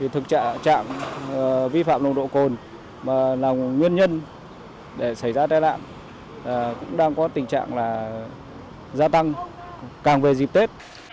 thực trạng trạm vi phạm nồng độ cồn là nguyên nhân để xảy ra tai nạn cũng đang có tình trạng gia tăng càng về dịp tết